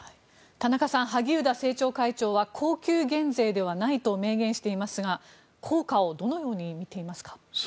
田中さん萩生田政調会長は恒久減税ではないと明言していますが効果をどのように見ていますか？